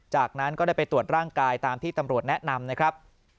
จากนั้นก็ได้ไปตรวจร่างกายตามที่ตำรวจแนะนำนะครับ